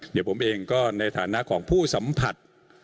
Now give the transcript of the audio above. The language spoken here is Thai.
เดี๋ยวผมเองก็ในฐานะของผู้สัมผัส